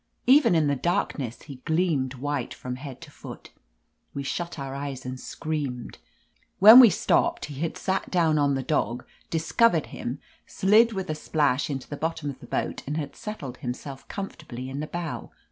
Even in the darkness he gleamed white from head to foot. We shut our eyes and screamed. When we stopped he had sat down on the dog, discovered 306 I I OF LETITIA CARBERRY him, slid him with a splash into the bottom of the boat and had settled himself comfortably in the bow.